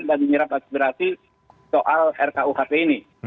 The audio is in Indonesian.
dan menyerap akseverasi soal rkuhp ini